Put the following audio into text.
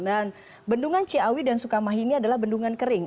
dan bendungan ciawi dan sukamahi ini adalah bendungan kering